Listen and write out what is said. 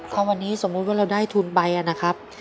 ถ้าวันนี้สมมุติว่าเราได้ทุนไปนะครับ